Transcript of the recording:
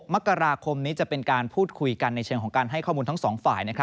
มกราคมนี้จะเป็นการพูดคุยกันในเชิงของการให้ข้อมูลทั้งสองฝ่าย